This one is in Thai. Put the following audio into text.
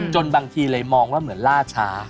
บางทีเลยมองว่าเหมือนล่าช้า